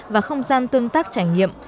và không gian tương tác trải nghiệm